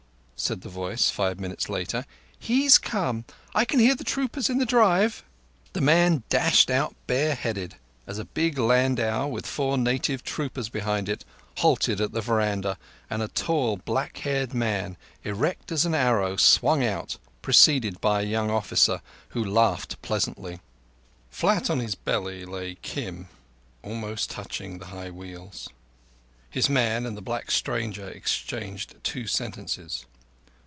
said the voice, five minutes later. "He's come. I can hear the troopers in the drive." The man dashed out bareheaded as a big landau with four native troopers behind it halted at the veranda, and a tall, black haired man, erect as an arrow, swung out, preceded by a young officer who laughed pleasantly. Flat on his belly lay Kim, almost touching the high wheels. His man and the black stranger exchanged two sentences.